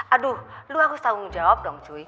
aduh lo harus tanggung jawab dong cuy